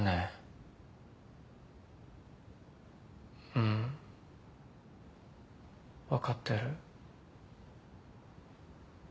うん分かってる。